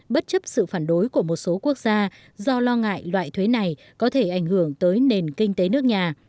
bất chấp sự phản đối của một số quốc gia do lo ngại loại thuế này có thể ảnh hưởng tới nền kinh tế nước nhà